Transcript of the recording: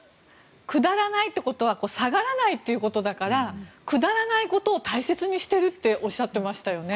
くだらないということは下がらないということだからくだらないことを大切にしているっておっしゃっていましたよね。